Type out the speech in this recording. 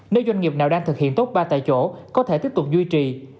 nếu doanh nghiệp nào đang thực hiện tốt ba tại chỗ có thể tiếp tục duy trì